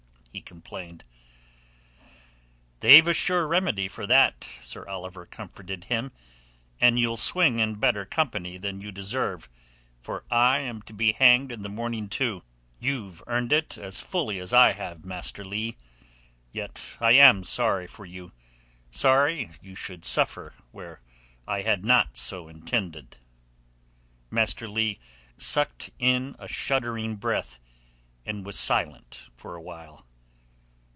he complained. "They've a sure remedy for that," Sir Oliver comforted him. "And you'll swing in better company than you deserve, for I am to be hanged in the morning too. You've earned it as fully as have I, Master Leigh. Yet I am sorry for you—sorry you should suffer where I had not so intended." Master Leigh sucked in a shuddering breath, and was silent for a while.